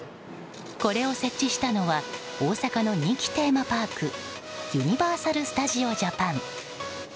これを設置したのは大阪の人気テーマパークユニバーサル・スタジオ・ジャパン。